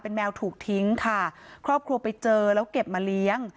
แมวถูกทิ้งค่ะครอบครัวไปเจอแล้วเก็บมาเลี้ยง